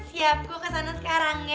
siap kok kesana sekarang ya